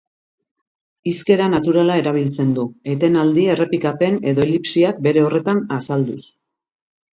Hizkera naturala erabiltzen du, etenaldi, errepikapen edo elipsiak bere horretan azalduz.